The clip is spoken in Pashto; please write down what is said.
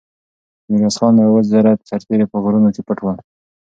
د میرویس خان اوه زره سرتېري په غرونو کې پټ ول.